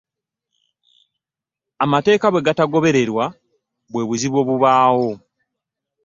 Amateeka bwe gatagobererwa bwe buzibu obubaawo.